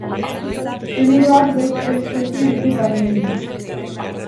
Generoak bost espezie ditu barnean.